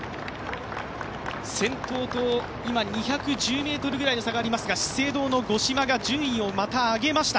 先頭と今、２１０ｍぐらいの差がありますが、資生堂の五島が順位をまた上げました。